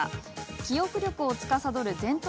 記憶力をつかさどる前頭